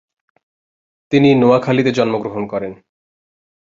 তিনি নোয়াখালীতে জন্মগ্রহণ করেন।